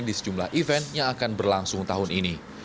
di sejumlah event yang akan berlangsung tahun ini